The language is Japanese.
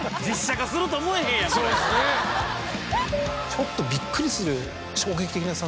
ちょっとびっくりする。